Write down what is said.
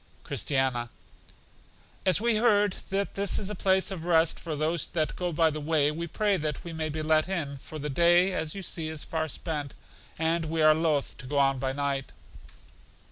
Christiana: As we heard that this is a place of rest for those that go by the way, we pray that we may be let in, for the day, as you see, is far spent, and we are loth to go on by night.